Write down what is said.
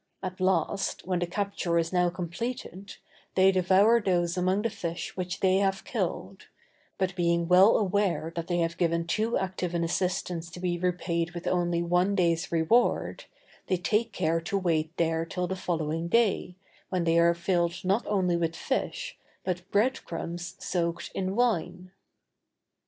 At last, when the capture is now completed, they devour those among the fish which they have killed; but being well aware that they have given too active an assistance to be repaid with only one day's reward, they take care to wait there till the following day, when they are filled not only with fish, but bread crumbs soaked in wine.